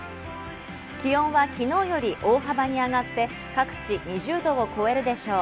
気温はきのうより大幅に上がって各地２０度を超えるでしょう。